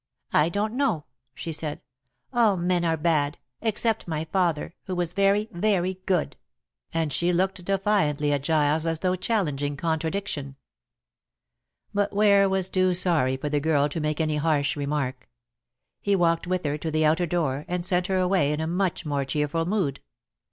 "I don't know," she said; "all men are bad, except my father, who was very, very good," and she looked defiantly at Giles as though challenging contradiction. But Ware was too sorry for the girl to make any harsh remark. He walked with her to the outer door, and sent her away in a much more cheerful mood.